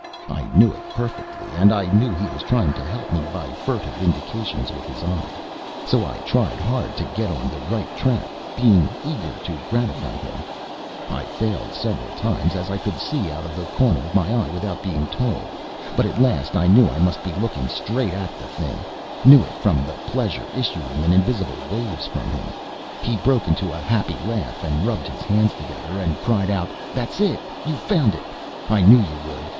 I knew it perfectly, and I knew he was trying to help me by furtive indications with his eye, so I tried hard to get on the right track, being eager to gratify him. I failed several times, as I could see out of the corner of my eye without being told; but at last I knew I must be looking straight at the thing knew it from the pleasure issuing in invisible waves from him. He broke into a happy laugh, and rubbed his hands together, and cried out: "That's it! You've found it. I knew you would.